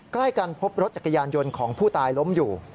ใกล้กันพบรถจักรยานยนต์ของผู้ตายล้มอยู่